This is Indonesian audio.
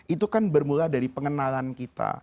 itu kan bermula dari pengenalan kita